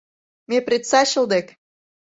Ме предсачыл дек.